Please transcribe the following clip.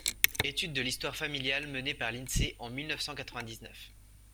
Étude de l’histoire familiale menée par l’INSEE en mille neuf cent quatre-vingt-dix-neuf.